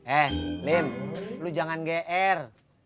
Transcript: eh lim lu jangan gr